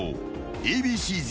Ａ．Ｂ．Ｃ‐Ｚ